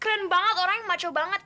keren banget orangnya maco banget